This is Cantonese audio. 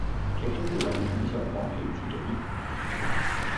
劇中的李很想放棄自己